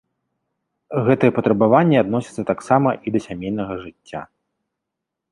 Гэтыя патрабаванні адносяцца таксама і да сямейнага жыцця.